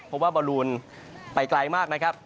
เพราะว่าบอลลูนไปไกลมากนะครับ